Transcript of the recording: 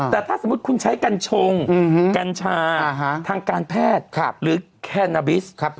แต่ถ้าสมมุติคุณใช้กัญชงกัญชาทางการแพทย์หรือแคนาบิส